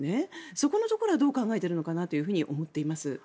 そこのところはどう考えているのかなと思っています。